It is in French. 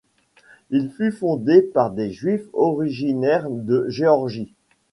Il fut fondé par des juifs originaires de Géorgie.